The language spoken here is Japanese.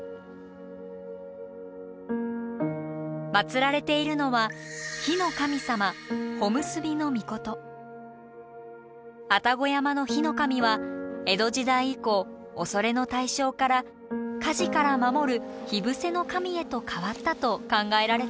祀られているのは火の神様愛宕山の火の神は江戸時代以降「畏れ」の対象から火事から守る「火伏せ」の神へと変わったと考えられています。